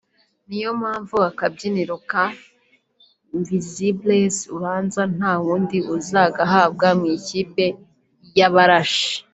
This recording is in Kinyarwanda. ni nayo mpamvu akabyiniriro ka Invincibles ubanza nta wundi uzagahabwa mu ikipe y’Abarashi